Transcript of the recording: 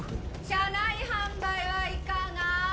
・車内販売はいかが？